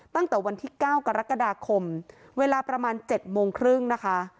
ตั้งแต่วันที่๙กรกฎาคมเวลาประมาณ๗โมงครึ่งนะคะ